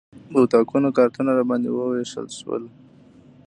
د اتاقونو کارتونه راباندې وویشل شول.